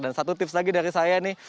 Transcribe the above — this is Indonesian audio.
dan satu tips lagi dari saya nih